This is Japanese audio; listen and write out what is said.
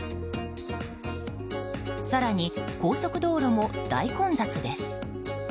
更に、高速道路も大混雑です。